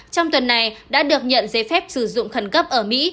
trong tuần này đã được nhận giấy phép sử dụng khẩn cấp ở mỹ